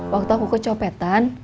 waktu aku kecopetan